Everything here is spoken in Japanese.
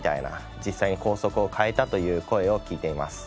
実際に校則を変えたという声を聞いています。